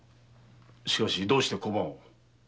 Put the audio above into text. しかしどうして小判を。